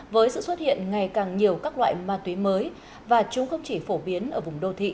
với sự xuất hiện ngày càng nhiều các loại ma túy mới và chúng không chỉ phổ biến ở vùng đô thị